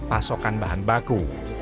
pasokan bahan baku